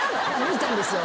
いたんですよ。